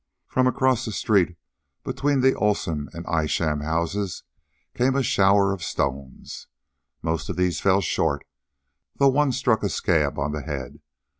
From across the street, between the Olsen and the Isham houses, came a shower of stones. Most of these fell short, though one struck a scab on the head.